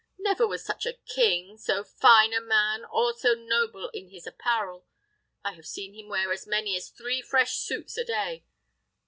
Never was such a king; so fine a man, or so noble in his apparel! I have seen him wear as many as three fresh suits a day.